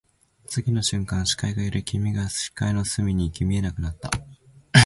次の瞬間、視界が揺れ、君が視界の隅に行き、見えなくなった